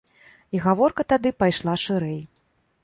І гаворка тады пайшла шырэй.